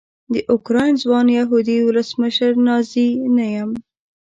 د اوکراین ځوان یهودي ولسمشر نازي نه یم.